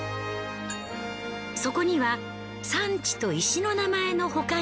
そこには産地と石の名前の他に